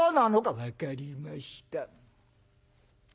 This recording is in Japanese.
「分かりました」。